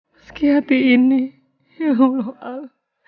meski hati ini ya allah al